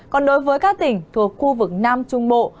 còn đối với các tỉnh thuộc khu vực nam trung bộ